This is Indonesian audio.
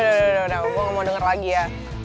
udah udah gue gak mau denger lagi ya